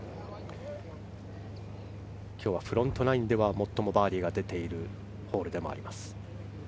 今日はフロントナインでは最もバーディーが出ているホールです。